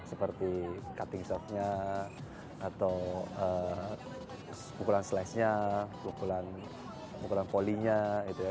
seperti cutting softnya atau pukulan slice nya pukulan poly nya gitu ya